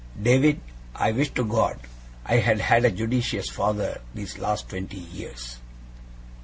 David, I wish to God I had had a judicious father these last twenty years!